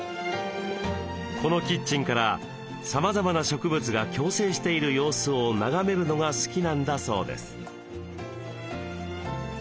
このキッチンからさまざまな植物が共生している様子を眺めるのが好きなんだそうです。